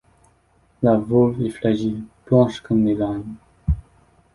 La volve est fragile, blanche comme les lames.